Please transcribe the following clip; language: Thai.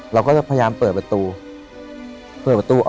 เราก็จะพยายามเปิดประตู